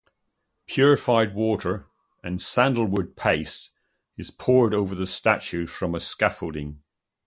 Purified water and sandalwood paste is poured over the statue from a scaffolding.